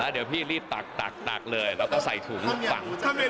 เดี๋ยวพี่รีบตักเลยแล้วก็ใส่ถุงลูกฝัง